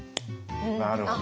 なるほど。